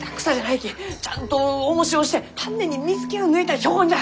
ちゃんとおもしをして丹念に水けを抜いた標本じゃ！